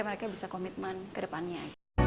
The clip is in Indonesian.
mereka bisa komitmen ke depannya